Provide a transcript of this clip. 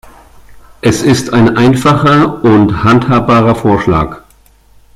Es ist ein einfacher und handhabbarer Vorschlag.